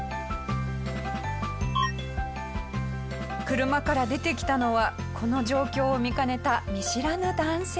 車から出てきたのはこの状況を見かねた見知らぬ男性。